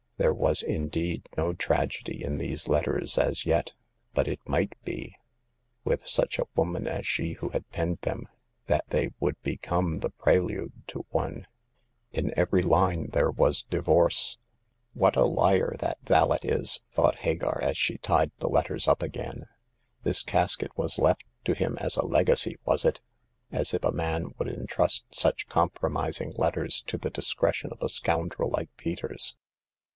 There was, indeed, no tragedy in these letters as yet, but it might be — with such a woman as she who had penned them — that they would become the prelude to one. In every line there was divorce. 234 Hagar of the Pawn Shop. "What a liar that valet is!" thought Hagar, as she tied the letters up again. This casket was left to him as a legacy, was it ? As if a man would entrust such compromising letters to the discretion of a scoundrel like Peters